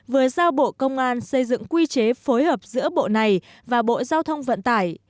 vừa giao bộ công an xây dựng quy chế phối hợp giữa bộ này và bộ giao thông vận tải